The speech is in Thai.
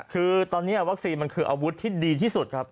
คือตอนนี้วัคซีนมันคืออาวุธที่ดีที่สุดครับ